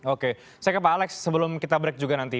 oke saya ke pak alex sebelum kita break juga nanti